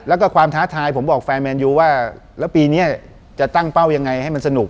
แล้วก็ความท้าทายผมบอกแฟนแมนยูว่าแล้วปีนี้จะตั้งเป้ายังไงให้มันสนุก